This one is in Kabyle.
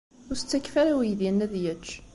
Ur as-ttakf ara i uydi-nni ad yečč.